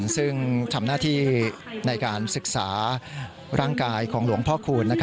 ซึ่งทำหน้าที่ในการศึกษาร่างกายของหลวงพ่อคูณ